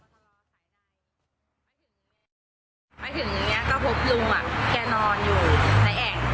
แค่ลดทัพทำวดอีกคีหนึ่ง